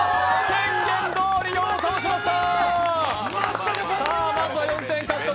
宣言どおり、４を倒しました！